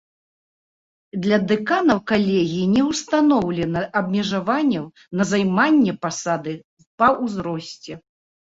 Для дэканаў калегіі не ўстаноўлена абмежаванняў на займанне пасады па ўзросце.